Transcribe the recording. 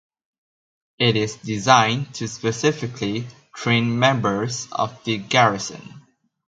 It is designed to specifically train members of the garrison.